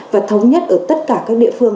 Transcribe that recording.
và thống nhất ở tất cả các địa phương